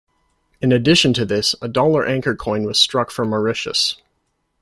In addition to this, a dollar anchor coin was struck for Mauritius.